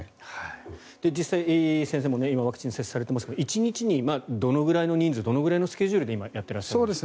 実際に先生も今ワクチンを接種されていますが１日にどのくらいの人数どのくらいのスケジュールでやっていらっしゃるんですか？